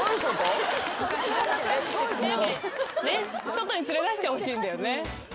外に連れ出してほしいんだよね。